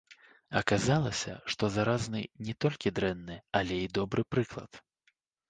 Аказалася, што заразны не толькі дрэнны, але і добры прыклад.